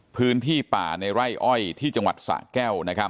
พื้นที่ป่าในไร่อ้อยที่จังหวัดสะแก้วนะครับ